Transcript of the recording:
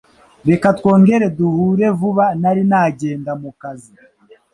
Reka twongere duhure vuba nari na jyenda mu kazi.